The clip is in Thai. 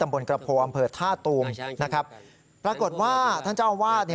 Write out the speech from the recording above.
แล้วก็เรื่องของช้างด้วยแล้วก็เรื่องของความดี